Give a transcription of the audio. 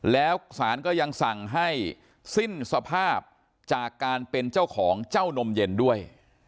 แล้วศาลก็ยังสั่งให้สิ้นสภาพจากการเป็นเจ้าของเจ้านมเย็นด้วย